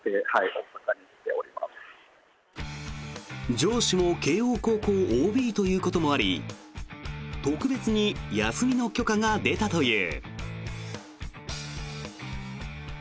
上司も慶応高校ＯＢということもあり特別に休みの許可が出たという。